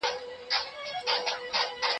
د زاړه کفن کښ زوی شنل قبرونه